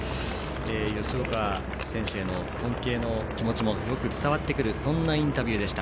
吉岡選手への尊敬の気持ちもよく伝わってくるインタビューでした。